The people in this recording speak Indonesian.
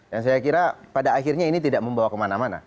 dan saya kira pada akhirnya ini tidak membawa kemana mana